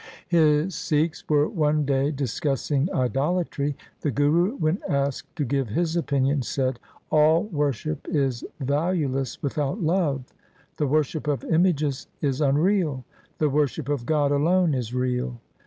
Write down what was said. His Sikhs were one day discussing idolatry. The Guru when asked to give his opinion said, ' All worship is valueless without love. The worship of images is unreal : the worship of God alone is real.